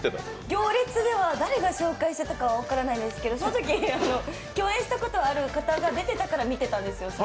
「行列」では誰が紹介してたか分からないんですけどそのとき、共演したことがある方が出てたから見てたんですよ。